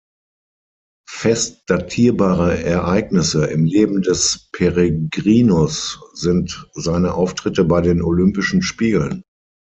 Fest datierbare Ereignisse im Leben des Peregrinus sind seine Auftritte bei den Olympischen Spielen.